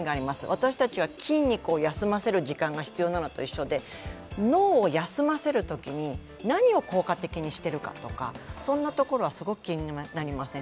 私たちは筋肉を休ませる時間が必要なのと一緒で脳を休ませるときに、何を効果的にしているかとか、そんなところはすごく気になりますね。